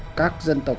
sắp mầu dân tộc